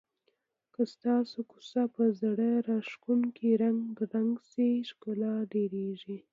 که ستاسو کوڅه په زړه راښکونکو رنګونو رنګ شي ښکلا ډېریږي.